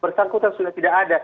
bersangkutan sudah tidak ada